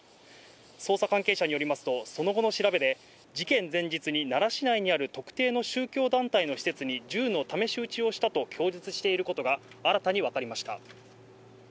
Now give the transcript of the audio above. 捜査関係者によりますと、その後の調べで事件前日に、奈良市内にある特定の宗教団体の施設に、銃の試し撃ちをしたと供述していることが、新たに分かりました。